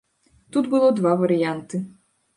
Тут было два варыянты.